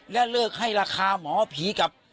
และเลิกให้ราคาหมอผีกับ